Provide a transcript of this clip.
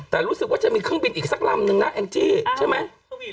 แต่รู้สึกว่าจะมีเครื่องบินอีกสักลำนึงนะแองจี้ใช่ไหม